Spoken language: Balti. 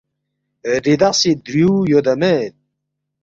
ریدخسی دریُو یودا مید؟“